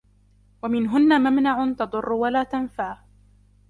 وَمِنْهُنَّ مَمْنَعٌ تَضُرُّ وَلَا تَنْفَعُ